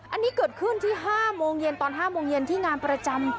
อันนี้เกิดขึ้นที่๕โมงเย็นตอน๕โมงเย็นที่งานประจำ